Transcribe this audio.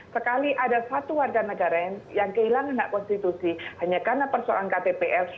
sekali ada satu warga negara yang kehilangan hak konstitusi hanya karena persoalan ktp